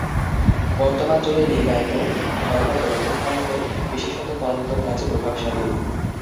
বর্তমান যুগে লিঙ্গায়েত ধর্ম দক্ষিণ ভারতে, বিশেষত কর্ণাটক রাজ্যে প্রভাবশালী।